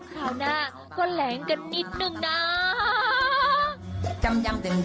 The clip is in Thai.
คราวหน้าก็แหลงกันนิดนึงนะ